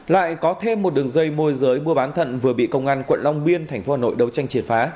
lại có thêm một đường dây môi giới mua bán thận vừa bị công an quận long biên tp hcm đấu tranh triệt phá